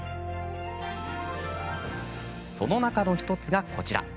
その中の１つが、こちら。